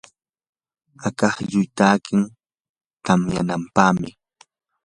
akaklluy takin tamyanampaqmi.